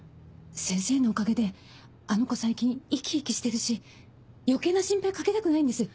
先生のおかげであの子最近生き生きしてるし余計な心配掛けたくないんです。